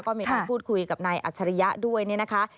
ก็มีการพูดคุยกับนายอัจฉริยะด้วยเนี่ยนะคะ